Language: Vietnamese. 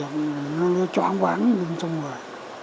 nó cho án quán lên xong rồi